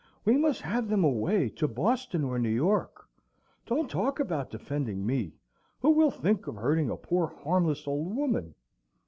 We must have them away to Boston or New York. Don't talk about defending me! Who will think of hurting a poor, harmless, old woman?